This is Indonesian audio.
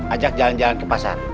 ajak jalan jalan ke pasar